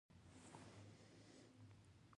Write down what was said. د خلکو راتګ یوازې د ډوډۍ خوړلو لپاره دی.